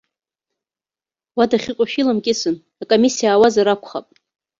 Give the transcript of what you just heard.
Уа дахьыҟоу шәиламкьысын, акомиссиа аауазар акәхап.